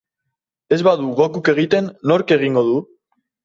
Ez badu Gokuk egiten, nork egingo du?